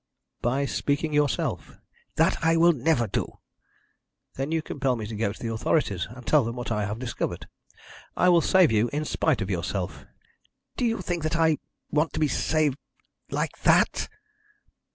"By speaking yourself." "That I will never do." "Then you compel me to go to the authorities and tell them what I have discovered. I will save you in spite of yourself." "Do you think that I want to be saved like that?"